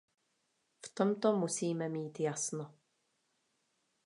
V tomto musíme mít jasno.